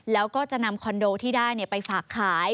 แล้วก็จะนำคอนโดที่ได้ไปฝากขาย